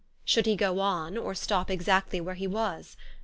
Should he go on, or stop exactly where he was